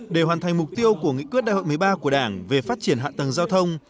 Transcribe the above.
để hoàn thành mục tiêu của nghị quyết đại hội một mươi ba của đảng về phát triển hạ tầng giao thông